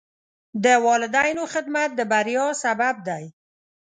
د والدینو خدمت د بریا سبب دی.